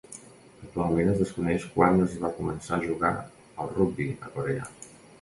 Actualment es desconeix quan es va començar a jugar al rugbi a Corea.